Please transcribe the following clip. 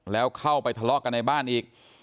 แล้วเข้าไปทะเลาะกันในบ้านอีก